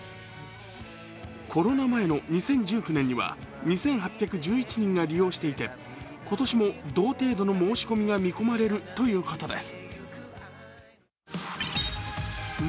コロナ前の２０１９年には２８１１人が利用していて今年も同程度の申し込みが見込まれるということです。